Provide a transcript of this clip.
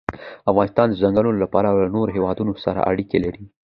افغانستان د ځنګلونه له پلوه له نورو هېوادونو سره اړیکې لري.